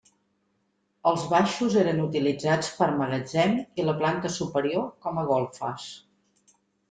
Els baixos eren utilitzats per magatzem i la planta superior com a golfes.